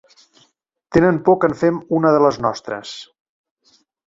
Tenen por que en fem una de les nostres.